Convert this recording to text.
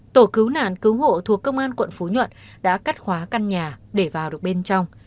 tổ cứu nạn cứu hộ thuộc công an quận phú nhuận đã cắt khóa căn nhà để vào được bên trong